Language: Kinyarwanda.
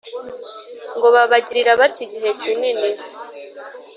ngo babigira batyo igihe kinini,